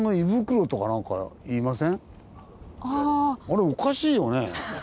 あれおかしいよね。